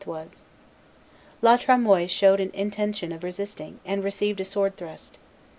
was. La Tremoille showed an intention of resisting, and received a sword thrust.